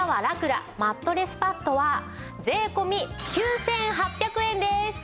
ラクラマットレスパッドは税込９８００円です。